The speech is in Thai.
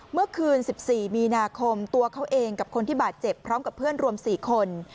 เมื่อคืน๑๔มีนาคมตัวเขาเองกับคนที่บาดเจ็บพร้อมกับเพื่อนรวม๔คน